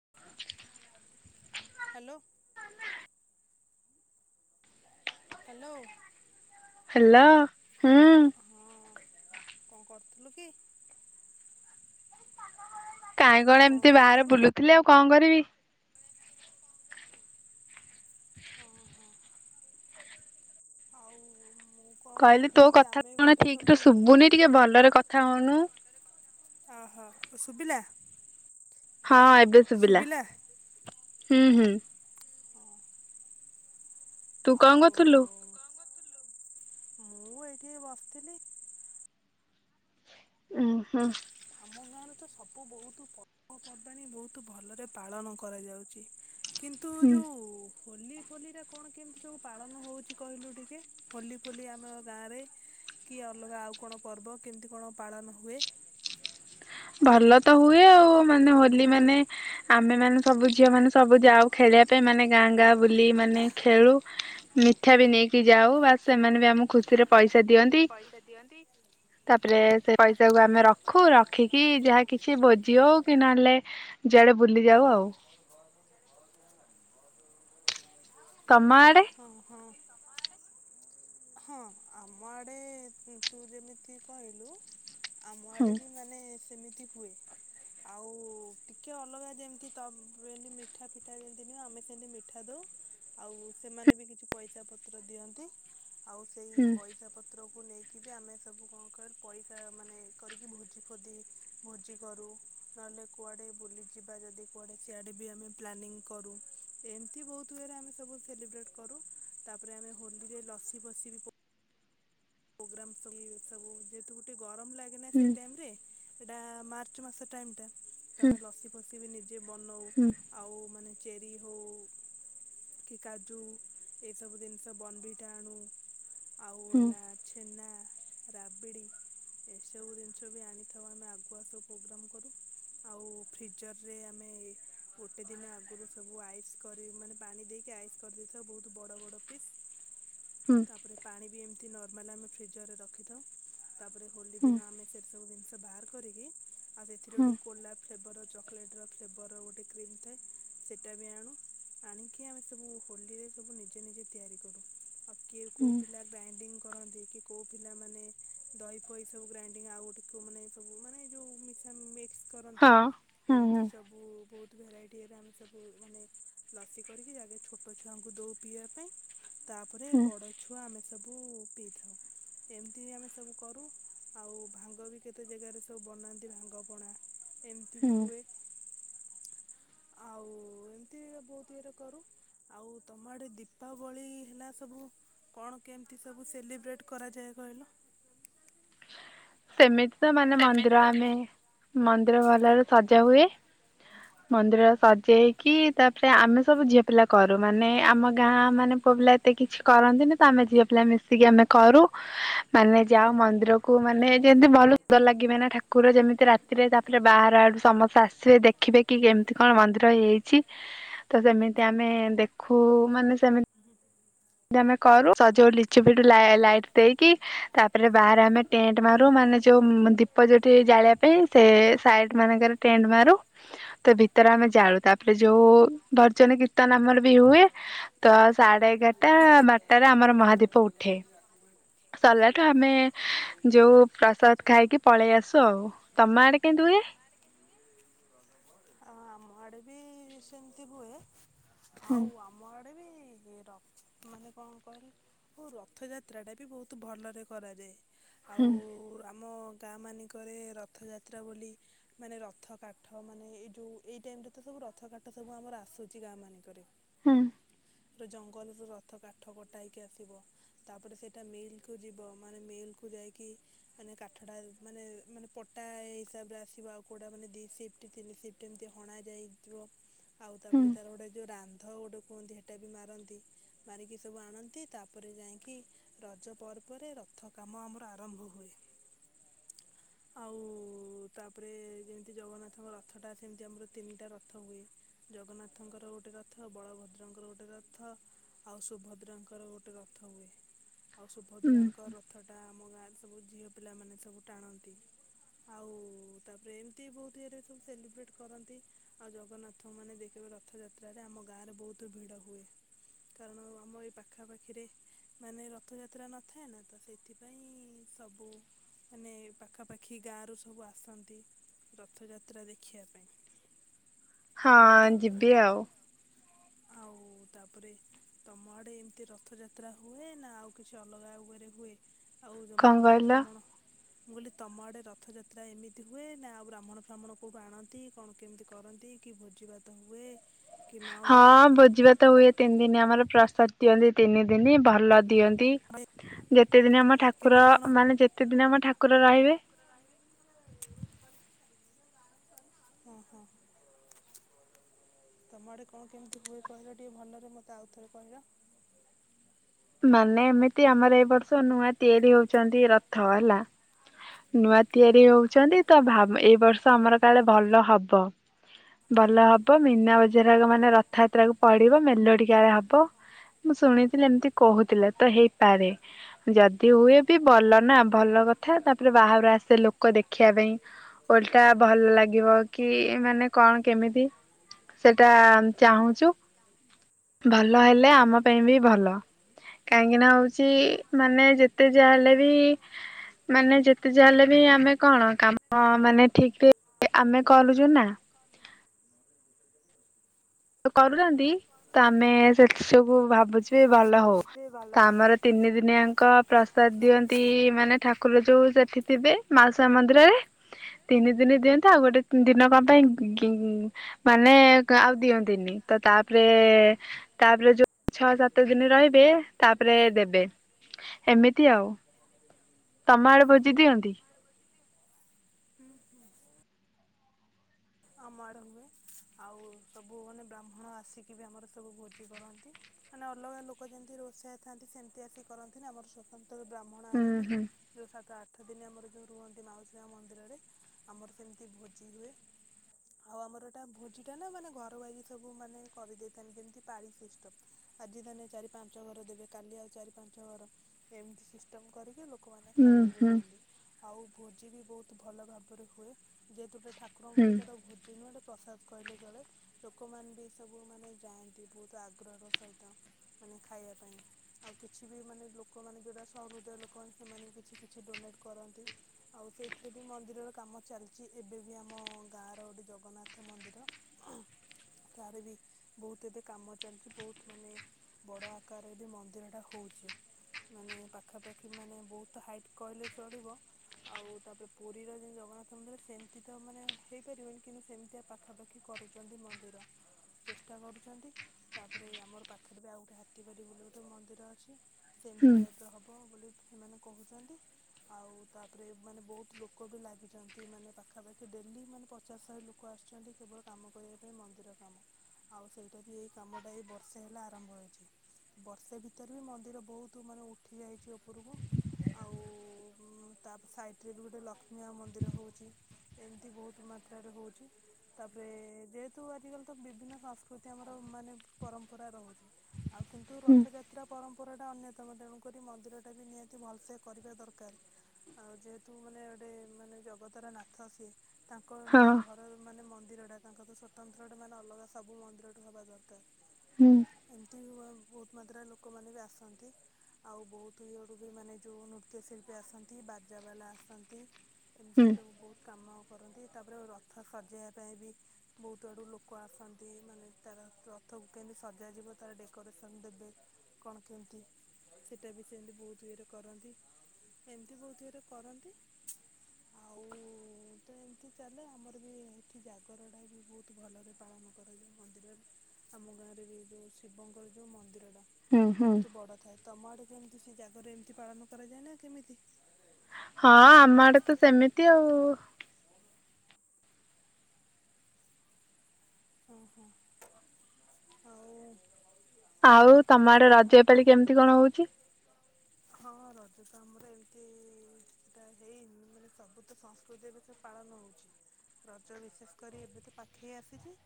[inaudible] Hello [inaudible] hello ହୁଁ। ହଁ କଣ କରୁଥିଲୁ କି? କାହିଁ କଣ ଏମିତି ବାହାରେ ବୁଲୁଥିଲେ ଆଉ କଣ? ବି ହଁ [inaudible] ହଉ। କହିଲି ତୋ କଥା ଶୁଣ ଠିକରେ ଶୁଭୁନି ଟିକେ ଭଲରେ କଥା ହଉନୁ। ଓହୋ ଶୁଭିଲା। ହଁ ଏବେ ଶୁଭିଲା। ହୁଁ ହୁଁ। ହଁ ତୁ କଁ ଆଉ କରଥିଲୁ? ମୁଁ ଏଇଠି ବସିଥିଲି। ଉଁ ହଁ। ଆମ ଗାଁରେ ତ ସବୁ ବହୁତ ପର୍ବପର୍ବାଣିୀ ବହୁତ ଭଲରେ ପାଳନ କରାଯାଉଛି। କିନ୍ତୁ ହୁଁ ଯୋଉ ହୋଲି ଫୋଲିରେ କଣ କେମିତି ସବୁ ପାଳନ ହଉଛି କହିଲୁ ଟିକେ ହୋଲି ଫୋଲି ଆମ ଗାଁ ରେ କି ଅଲଗା ଆଉ କଣ ପର୍ବ କେମିତି କଣ ପାଳନ ହୁଏ। ଭଲ ତ ହୁଏ ଆଉ ମାନେ ହୋଲି ମାନେ ଆମେ ମାନେ ସବୁ ଝିଅ ମାନେ ସବୁ ଯାଉ ଖେଳିବା ପାଇଁ ମାନେ ଗାଁ ଗାଁ ବୁଲି ମାନେ ଖେଳୁ ମିଠା ବି ନେଇକି ଯାଉ ବାସ ସେମାନେ ବି ଆମ ଖୁସିରେ ପଇସା ଦିଅନ୍ତି ତାପରେ ସେ ପଇସାକୁ ଆମେ ରଖୁ ରଖିକି ଯାହା କିଛି ଭୋଜି ହଉ କି ନହେଲେ ଯୁଆଡେ ବୁଲି ଯାଉ ଆଉ। ତମ ଆଡ଼େ? ହଁ ହଁ ହଁ ଆମ ଆଡେ ତୁ ଯେମିତି କହିଲୁ ଆମ ହୁଁ ଆଡେ ବି ମାନେ ସେମିତି ହୁଏ ଆଉ ଟିକଏ ଅଲଗା ଯେମିତି ତ ଏମତି ମିଠା ଫିଠା ଯେମିତି ନୁହ ଆମେ ସେମିତି ମିଠା ଦଉ ଆଉ ସେମାନେ ବି କିଛି ପଇସା ପତ୍ର ଦିଅନ୍ତି। ଆଉ ସେଇ ହୁଁ ପଇସା ପତ୍ର ଘକୁ ନେଇକି ବି ଆମେ ସବୁ କଣ ପଇସା ମାନେ କରିକି ଭୋଜି ଫୋଜି ଭୋଜି କରୁ ନହେଲେ କୁଆଡେ ବୁଲିଯିବା ଯଦି କୁଆଡେ ସିଆଡେ ବି ଆମେ ପ୍ଲାନିଂ କରୁ ଏମିତି ବହୁତ ୱେରେ ଆମେ ସବୁ ସେଲିବ୍ରେଟ କରୁ। ତାପରେ ଆମେ ହୋଲିରେ ବସିିବ ବି ପ ପ୍ରୋଗ୍ରାମ ସବୁ ଯେହେତୁ ଗୋଟେ ଗରମ ଲାଗେ ନା ହୁଁ ସେଇ ଟାଇମରେ ଏଇଟା ମାର୍ଚ୍ଚ ମାସ ଟାଇମ ଟା ତ ହୁଁ ଆମେ ଲସି ପସିି ବି ନି ବନଉ ହୁଁ ଆଉ ମାନେ ଚେରି ହେଉ କି କାଜୁ ଏସବୁ ଜିନିଷ ବନବିଟା ଆଣୁ ହୁଁ। ନା ରାବିଡ଼ି ଏସବୁ ଜିନିଷ ବି ଆଣିଥାଉ ଆମେ ଆଗୁଆ ସବୁ ପ୍ରୋଗ୍ରାମ୍ କରୁ ଆଉ ଫ୍ରିଜରରେ ଆମେ ଗୋଟେ ଦିନ ଆଗରୁ ସବୁ ଆଇସ୍ କରି ମାନେ ପାଣି ଦେଇକି ଆଇସ୍ କରିଦେଇଥାଉ ବହୁତ ବଡ଼ ବଡ଼ ଫିସ୍। ହୁଁ ହୁଁ ତାପରେ ପାଣି ବି ଏମତି [unintelligible] ମାଲ ଆମେ ଫ୍ରିଜରେ ରଖିଥାଉ। ତାପରେ ହୋଲି ହୁଁ ଦିନ ଆମେ ସେ ସବୁ ଜିନଷ ବାହାର କରିକି। ଆଉ ସେଥିରେ ହୁଁ। ଗୋଟେ କୋଲା ଫ୍ଲେବର ର ଚକୋ ଚକୋଲେଟର ଫ୍ଲେଭର ଗୋଟେ କ୍ରିମ୍ ଥାଏ ସେଇଟା ବି ଆଣୁ ଆଣିକି ଆମେ ସବୁ ହୋଲିରେ ସବୁ ନିଜେ ନିଜେ ତିଆରି କରୁ ଆଉ କିଏ ହଁ। କୋଉ ପିଲା ଗାଁ [inaudible] କରନ୍ତି କି କୋଉ ପିଲାମାନେ‌ ଦହି ଫହି ସବୁ ଗ୍ରାଇଡିଙ୍ଗ ଆଉ ଗୋଟକୁ ମାନେ ସବୁ ମାନେ ଯେଉଁ ମିକ୍ସ କରନ୍ତି ହୁଁ ହୁଁ ଏମିତି ସବୁ ବହୁତ ଭେରାଇଟିରେ ଆମେ ସବୁ ଲସି କରିକି ଆଗେ ଛୋଟ ଛୁଆଙ୍କୁ ଦଉ ପିଇବା ପାଇଁ ତାପରେ ହୁଁ ବଡ ଛୁଆ ଆମେ ସବୁ। ପିଇଥାଉ ଏମିତି ବି ଆମେ ସବୁ କରୁ ଆଉ ଭାଙ୍ଗ ବି କେତେ ଜେଗାରେ ସବୁ ବନାନ୍ତି ଭାଙ୍ଗ ପଣା। ଏମତି ବି ହୁଁ। ହୁଏ। ଆଉ ଏମିତି ବହୁତ ଇଏରେ କରୁ ଆଉ ତମ ଆଡେ ଦୀପାବଳି ହେଲା ସବୁ କଣ କେମିତି ସବୁ ସେଲିବ୍ରେଟ କରାଯାଏ କହିଲ। ସେମିତି ତ ମାନେ ମନ୍ଦିର ଆମେ ମନ୍ଦିର ଭଲରେ ସଜା ହୁଏ ମନ୍ଦିର ସଜେଇକି ତାପରେ ଆମେ ସବୁ ଝିଅ ପିଲା କରୁ ମାନେ ଆମ ଗାଁ ମାନେ ପୁଅ ପିଲା ଏତେ କିଛି କରନ୍ତିନି ତ ଆମେ ଝିଅ ପିଲା ମିଶିକି ଆମେ କରୁ ମାନେ ଯାଉ ମନ୍ଦିରକୁ ମାନେ ଯେମିତି ଭଲ ସୁନ୍ଦ ଲାଗିବେ ନା ଠାକୁର ଯେମିତି ରାତିରେ ତାପରେ ବାହାର ଆଡ଼ୁ ସମସ୍ତେ ଆସିବେ ଦେଖିବେ କି କେମିତି କଣ ମନ୍ଦିର ହେଇଛି ତ ସେମିତି ଆମେ ଦେଖୁ ମାନେ ସେମତି ଆମେ କରୁ ସଜଉ ଲିଚୁ ପିଟ ଲାଇଟ ଦେଇକି ତାପରେ ବାହାରେ ଆମେ ଟେଣ୍ଟ ମାରୁ ମାନେ ଯୋଉ ଦୀପ ଯୋଉଠି ଜାଳିବା ପାଇଁ ସେ ସାଇଟ ମାନଙ୍କରେ ଟେଣ୍ଟ ମାରୁ ତ ଭିତରେ ଆମେ ଜାଳୁ ତାପରେ ଯୋଉ ଭଜନ କୀର୍ତ୍ତନ ଆମର ବି ହୁଏ ତ ସାଢେ ଏଗାର ଟା ବାରଟାରେ ଆମର ମହାଦୀପ ଉଠେ ସରିଲାଠୁ ଆମେ ଯୋଉ ପ୍ରସାଦ ଖାଇକି ପଳେଇ ଆସୁ ଆଉ ତମ ଆଡେ କେମିତି ହୁଏ? ଆମଆଡେ ବି ସେମିତି ହୁଏ। ହୁଁ ଆଉ ଆମର ଗୋଟେ ବି ଏ ର ମାନେ କଣ କରେ ଓ ରଥଯାତ୍ରାଟା ବି ବହୁତ ଭଲରେ କରାଯାଏ। ଆଉ ହୁଁ ଆମ ଗାଁ ମାନଙ୍କରେ ରଥଯାତ୍ରା ବୋଲି ମାନେ ରଥ କାଠ ମାନେ ଏ ଯୋଉ ଏ ଟାଇମ ରେ ତ ସବୁ ରଥ କାଠ ସବୁ ଆମର ଆସୁଛି ଗାଁ ମାନଙ୍କରେ। ହୁଁ ଜଙ୍ଗଲ ର ରଥ କାଠ କଟା ହେଇକି ଆସିବ ତାପରେ ସେଇଟା ମିଲ କୁ ଯିବ ମାନେ ମିଲ୍ କୁ ଯାଇକି ମାନେ କାଠଟା ମାନେ ମାନେ ପଟା ହିସାବରେ ଆସିବ ଆଉ କଉଟା ମାନେ ଦି ସିଫ୍ଟ ତିନି ସିଫ୍ଟ ଏମତି ଅଣା ଯାଇଥିବ। ଆଉ ହୁଁ। ତାପରେ ତାର ଗୋଟେ ଯୋଉ ରା ରଥ ଗୋଟେ କୁହନ୍ତି ସେଟା ବି ମାରନ୍ତି ମାରିକି ସବୁ ଆଣନ୍ତି ତାପରେ ଯାଇକି ରଜ ପର୍ବରେ ରଥ କାମ ଆମର ଆରମ୍ଭ ହୁଏ ଆଉ ତାପରେ ଯେମିତି ଜଗନ୍ନାଥଙ୍କ ରଥ ଟା ସେମତି ଆମର ତିନିଟା ରଥ ହୁଏ ଜଗନ୍ନାଥଙ୍କର ଗୋଟେ ରଥ ବଳଭଦ୍ରଙ୍କର ଗୋଟେ ରଥ ଆଉ ସୁଭଦ୍ରାଙ୍କର ଗୋଟେ ରଥ ହୁଏ। ଆଉ ହୁଁ ସୁଭଦ୍ରାଙ୍କ ରଥ ଟା ଆମ ସବୁ ଝିଅ ପିଲାମାନେ ସବୁ ଟାଣନ୍ତି ଆଉ ତାପରେ ଏମିତି ବହୁତ ଇରେ ସବୁ ସେଲିବ୍ରେଟ୍ କରନ୍ତି। ଆଉ ଜଗନ୍ନାଥଙ୍କୁ ମାନେ ଦେଖିବ ରଥଯାତ୍ରାରେ ଆମ ଗାଁରେ ବହୁତ ଭିଡ ହୁଏ। କାରଣ ଆମ ଏଇ ପାଖାପାଖିରେ ମାନେ ରଥଯାତ୍ରା ନଥାଏ ନା ତ ସେଥିପାଇଁ ସବୁ ମାନେ ପାଖାପାଖି ଗାଁ ର ସବୁ ଆସନ୍ତି ରଥଯାତ୍ରା ଦେଖିବା ପାଇଁ। ହଁ ତାପ ଯିବି ଆଉ। ଆଉ ତାପରେ ତମ ଆଡେ ଏମିତି ରଥଯାତ୍ରା ହୁଏ ନା ଆଉ କିଛି ଅଲଗା ଉପରେ ହୁଏ। ଆଉ କଣ ବ୍ରାହ୍ମଣ କହିଲ? ଫ୍ରାହ୍ମଣ ମୁଁ କହିଲି ତମ ଆଡେ ରଥଯାତ୍ରା ଏମିତି ହୁଏ ନା ଆଉ ବ୍ରାହ୍ମଣ ଫ୍ରାହ୍ମଣ କୋଉଠୁ ଆଣନ୍ତି କଣ କେମିତି କରନ୍ତି କି ଭୋଜିଭାତ ହୁଏ। କି ନ ହୁଏ ହଁ ବୋ ଜିବାତ ହୁଏ ତିନି ଦିନି ଆମର ପ୍ରସାଦ ଦିଅନ୍ତି। ତିନି ଦିନ ଭଲ ଦିଅ ନ୍ତି ଯେତେ ଦିନ ଆମ ହଁ ଠାକୁର କେମିତି କଣ ମାନେ ଯେତେ ଦିନ ଆମ ଠାକୁର ରହିବେ। ହଁ ହଁ। ତମଡେ କଣ କେମିତି ହୁଏ। କହିଲ ଟିକେ ଭଲରେ ମତେ ଆଉଥରେ କହିଲ। ମାନେ ଏମିତି ଆମର ଏଇ ବର୍ଷ ନୂଆ ତିଆରି ହଉଛନ୍ତି। ରଥ ହେଲା ନୂଆ ତିଆରି ହଉଛନ୍ତି। ତ ଭା ଏଇ ବର୍ଷ ଆମର କାଳେ ଭଲ ହବ। ଭଲ ହବ ମୀନା ବଜରା ମାନେ ରଥଯାତ୍ରାକୁ ପଡିବ। ମେଲୋଡି କାଳେ ହବ ମୁଁ ଶୁଣିଥିଲି ଏମିତି। କହୁଥିଲେ ତ ହେଇପାରେ। ଯଦି ହୁଏ ବି ଭଲ ନା ଭଲ କଥା ତାପରେ ବାହାରୁ ଆସେ ଲୋକ ଦେଖିବାପାଇଁ। ଓଲଟା ଭଲ ଲାଗିବ କି ମାନେ କଣ କେମିତି ସେଟା ଚାହୁଁଚୁ। ଭଲ ହେଲେ ଆମ ପାଇଁ ବି ଭଲ। କାହିଁକିନା ହଉଛି ମାନେ ଯେତେ ଯାହା ହେଲେ ବି ମାନେ ଯେ ତେ ଯାଲେ ବି ଆମେ କଣ କାମ ମାନେ ଠିକ ଆମେ କରୁଛୁ ନା। କରୁଛନ୍ତି ତ ଆମେ ସେଥି ସବୁ ଭାବୁଛୁ ମୁଁ ଭଲ ହଉ। ଭାବୁଛି ଭଲ ତ ହଉ। ଆମର ତିନି ଦିନିଆଙ୍କ ପ୍ରସାଦ ଦିଅନ୍ତି। ମାନେ ଠାକୁର ଯୋଉ ଯେ ସେ ଥିବେ ମାଉସୀ ମା ମନ୍ଦିରରେ ତିନି ଦିନ ଦିଅନ୍ତୁ। ଆଉ ଗୋଟେ ଦିନ କଣ ପାଇଁ ଗି ମାନେ ଆଉ ଦିଅ ଦିନି ତ ତାପରେ ତାପରେ ଯୋଉ ଛଅ ସାତ ଦିନ ରହିବେ। ତାପରେ ଦେବେ ଏମିତି ଆଉ। ତମ ଆଡେ ଭୋଜି ଦିଅନ୍ତି। [inaudible] ହୁଁ ହୁଁ। ଅମଆଡେ ହୁଏ ଆଉ ସବୁ ମାନେ ବ୍ରାହ୍ମଣ ଆସିକି ବି ଆମର ସବୁ ଭୋଜି କରନ୍ତି। ମାନେ ଅଲଗା ଲୋକ ଯେମତି ରୋଷେଇଆ ଥାନ୍ତି ସେମିତି ଆସିକି କରନ୍ତିନା। ଆମର ସ୍ଵତନ୍ତ୍ର ଯୋ ବ୍ରାହ୍ମଣ ହୁଁ ଆଣିକି ହୁଁ ଯୋଉ ସାତ ଆ ଆଠ ଦିନ ଆମର ଯୋଉ ରୁହନ୍ତି। ମାଉସୀ ମା ମନ୍ଦିରରେ ଆମର ସେମିତି ଭୋଜି ହୁଏ। ଆଉ ଆମର ଏଟା ଭୋଜି ଟା ନା ମାନେ ଘର ବାଇଜ୍ ସବୁ ମାନେ କରିଦେଇଥାନ୍ତି। ଯେମିତି ପାଳି ସିଷ୍ଟମ ଆଜି ମାନେ ଚାରି ପାଞ୍ଚ ଘର ଦେବେ। କାଲି ଆଉ ଚାରି ପାଞ୍ଚ ଘର ଏମତି ସିଷ୍ଟମ କରିକି ଲୋ ଲୋକମାନେ ଖାଇବାକୁ ହୁଁ ଦିଅନ୍ତି। ଆଉ ଭୋଜି ବି ବହୁତ ଭଲ ଭାବରେ ହୁଏ। ଯେହେତୁ ଗୋ ଠାକୁର ହୁଁ ରଙ୍କରଏଟା ଭୋଜି ନୁହେଁ। ପ୍ରସାସ କହିଲେ ଚଳେ ଲୋକମାନେ ବି ସବୁ ମାନେ ଯାଆନ୍ତି। ବହୁତ ଆଗ୍ରହର ସହିତ ମାନେ ଖାଇବା ପାଇଁ। ଆଉ କିଛି ବି ମାନେ ଲୋକମାନେ ଯୋଉଟା ସ ହୃଦୟ ଲୋକମାନେ ସେମାନେ ବି କିଛି କିଛି ଡୋନେଟ କରନ୍ତି। ଆଉ ସେଇଥିରେ ବି ମନ୍ଦିରର କାମ ଚାଲିଛି। ଏବେ ବି ଆମ ଗାଁ ର ଗୋଟେ ଜଗନ୍ନାଥ ମନ୍ଦିର ତାର ବି ବହୁତ ଏବେ କାମ ଚାଲିଛି। ବହୁତ ମାନେ ବଡ ଆକାରରେ ବି ମନ୍ଦିର ଟା ହଉଛି। ମାନେ ପାଖାପାଖି ମାନେ ବହୁତ ହାଇଟ କହିଲେ ଚଳିବ। ଆଉ ତାପରେ ପୁରୀର ଯେଉଁ ଜଗନ୍ନାଥ ମନ୍ଦିର ସେମିତି। ତ ମାନେ ହେଇପାରିବେନି କିନ୍ତୁ ସେମିତିଆ ପାଖାପାଖି କରୁଛନ୍ତି ମନ୍ଦିର। ଚେଷ୍ଟା କରୁଛନ୍ତି। ତାପରେ ଆମର ପାଖରେ ବି ଆଉ ଗୋଟେ ହାତୀବାରି ବୋଲି ଗୋଟେ ଆଉ ମନ୍ଦିର ଅଛି। ସେମତି ହୁଁ ଟାଇପ ର ହବ ବୋଲି ସେମାନେ କହୁଛନ୍ତି। ଆଉ ତାପରେ ମାନେ ବହୁତ ଲୋକ ବି ଲାଗିଛନ୍ତି ମାନେ ପାଖାପାଖି। ଡେଲି ମାନେ ପଚାଶ ଶହେ ଲୋକ ଆସୁଛନ୍ତି। କେବଳ କାମ କରିବା ପାଇଁ ମନ୍ଦିର କାମ। ଆଉ ସେଇଟା ବି ଏଇ କାମଟା ଏଇ ବର୍ଷେ ହେଲା ଆରମ୍ଭ ହୋଇଛି। ବର୍ଷେ ଭିତରେ ବି ମନ୍ଦିର ବହୁତ ମାନେ ଉଠି ଯାଇଛି। ଉପରକୁ ଆଉ ତା ସାଇଟରେ ବି ଗୋଟେ ଲକ୍ଷ୍ମୀ ମା ମନ୍ଦିର ହଉଛି। ଏମିତି ବହୁତ ମାତ୍ରାରେ ହଉଛି। ତାପରେ ଯେହେତୁ ଆଜିିକାଲି ତ ବିଭିନ୍ନ ସଂସ୍କୃତି ଆମର ମାନେ ପରମ୍ପରା ରହୁଛି। ଆଉ କିନ୍ତୁ ହୁଁ ହୁଁ ରଥଯାତ୍ରା ପରମ୍ପ ଉପର ଟା ଅନ୍ୟତମ ତେଣୁକରି ମନ୍ଦିର ଟା ବି ନିହାତି ଭଲସେ କରିବା ଦରକାର। ଆଉ ଯେହେତୁ ମାନେ ଗୋଟେ ମାନେ ଜଗତର ନାଥ ଥାଉ ସିଏ। ତାଙ୍କ ମାନେ ହଁ ଘରର ମାନେ ମନ୍ଦିର ସେଟା ତାଙ୍କ ତ ସତନ୍ତ୍ର ଟା ମାନେ ଅଲଗା ସବୁ ମନ୍ଦିର ଟୁ ହବା ଦରକାର। ହୁଁ [inaudible] ଏମତି ହୁଅ ଆଉ। ବହୁତ ମାତ୍ରାରେ ଲୋକମାନେ ବି ଆସନ୍ତି। ଆଉ ବହୁତ ଇଏରୁୁ ବି ମାନେ ଯେଉ ନୃତ୍ୟଶିଳ୍ପୀ ଆସନ୍ତି। ବାଜାବାଲା ଆସନ୍ତି। ହୁଁ ଏମିତି ସବୁ ବହୁ କାମ କରନ୍ତି ତାପରେ ରଥ ସଜେଇବା ପାଇଁ ବି ବହୁତ ଆଡ଼ୁ ଲୋକ ଆସନ୍ତି। ମାନେ ତାର ରଥକୁ କେମିତି ସଜାଯିବ ତାର ଡେକୋରେସନ୍ ଦେବେ। କଣ କେମିତି ସେଇଟା ବି ସେମିତି ବହୁତ ଇଏରେ କରନ୍ତି। ଏମିତି ବହୁତ ଇଏରେ କରନ୍ତି। ଆଉ ବୁତ ଏମିତି ଚାଲେ ଆମର ବି ଏଠି ଜାଗର ଟା ବି ବହୁତ ଭଲରେ ପାଳନ କରାଯାଏ ମନ୍ଦିରରେ ଆମ ଗାଁ ରେ ବି ଯୋଉ ଶିବଙ୍କର ଯୋଉ ମନ୍ଦିର। ହୁଁ ହୁଁ ହଁ ବହୁତ ବଡ ଥାଏ ତମ ଆଡେ କେମତି। ସେ ଜାଗର ଏମିତି ପାଳନ କରାଯାଏ ନା କେମିତି। ହଁ ଆମ ଆଡେ ତ ସେମିତି ଆଉ। ହୁଁ ହୁଁ ଆଉ। ଆଉ ତମ ଜାଗରଟା ତ ଆଡେ ରଜ ଆମର ଏ ପାଳି କେମିତି କଣ ହଉଛି। ହଁ ରଜ ତ ଆମର ଏମତି ସେଟା ହେଇନି ମାନେ ସବୁ ତ ସଂସ୍କୃତି ଏବେ ତ ପାଳନ ହଉଛି ରଜ ବିଶେଷ କରି ଏବେ ତ ପାଖେଇ ଆସିଛି।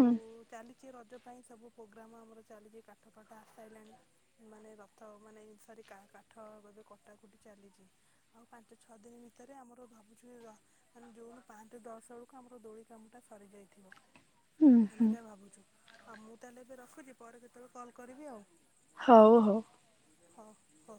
ହୁଁ ଚାଲିଛି ରଜ। ପାଇଁ ସବୁ ପ୍ରୋଗ୍ରାମ ଆମର ଚାଲିଛି କାଠ ଫାଠ ଆସିଶା ଇଲାଣି ମାନେ ରଥ ମାନେ ସରି କାଠ ଏବେ କଟାକୁଟି ଚାଲିଛି ଆଉ ପାଞ୍ଚ ଛଅ ଦିନ ଭିତରେ ଆମର ଭାବୁଛୁ ମାନେ ଜୁନ ପାଞ୍ଚ ଦଶ ବେଳକୁ ଆମର ଦୋଳି କାମଟା ସରି ଯାଇଥିବ। ହୁଁ ଆମେ ହୁଁ। ଯାହା ଭାବୁଛୁ ଆଉ ମୁ। ତାହେଲେ ଏବେ ରଖୁଛି ପରେ କେତେବେଳେ କଲ୍ କରିବି ଆଉ। ହଉ ହଉ। ହଉ ହଉ।